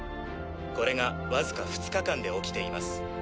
これがわずか２日間で起きています。